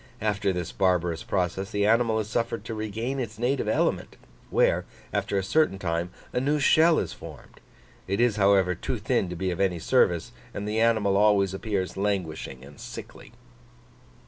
After this barbarous process the animal is suffered to regain its native element, where, after a certain time, a new shell is formed; it is, however, too thin to be of any service, and the animal always appears languishing and sickly."